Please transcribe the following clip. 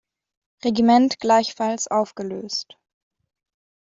Regiment gleichfalls aufgelöst.